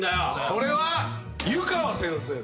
それは湯川先生だ。